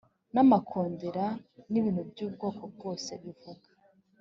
n’amakondera n’ibintu by’ubwoko bwose bivuga